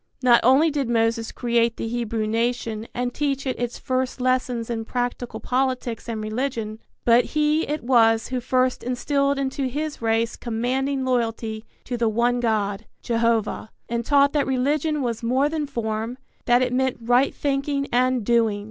Not only did Moses create the Hebrew nation and teach it its first lessons in practical politics and religion, but he it was who first instilled into his race commanding loyalty to the one God, Jehovah, and taught that religion was more than form: that it meant right thinking and doing.